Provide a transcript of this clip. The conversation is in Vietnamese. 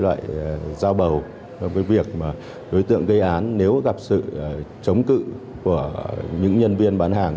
là loại giao bầu đối tượng gây án nếu gặp sự chống cự của những nhân viên bán hàng